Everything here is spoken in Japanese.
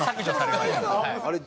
あれ？